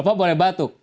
bapak boleh batuk